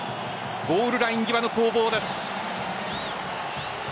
ゴールライン際の攻防です。